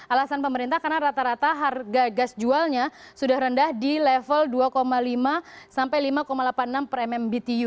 alasan pemerintah karena rata rata harga gas jualnya sudah rendah di level dua lima sampai lima delapan puluh enam per mmbtu